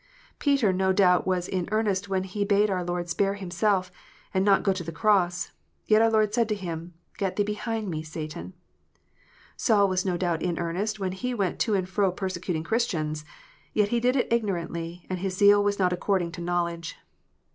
Peter no doubt was in earnest when he bade our Lord spare Himself, and not go to the cross ; yet our Lord said to him, " Get thee behind Me, Satan." Saul no doubt was in earnest when he went to and fro persecuting Christians ; yet he did it ignorantly, and his zeal was not according to knowledge.